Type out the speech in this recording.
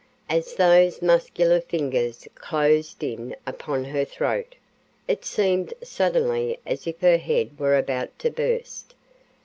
As those muscular fingers closed in upon her throat, it seemed suddenly as if her head were about to burst.